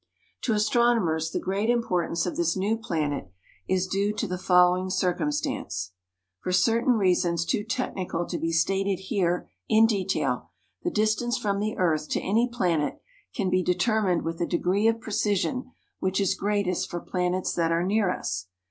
To astronomers the great importance of this new planet is due to the following circumstance: For certain reasons too technical to be stated here in detail, the distance from the earth to any planet can be determined with a degree of precision which is greatest for planets that are near us.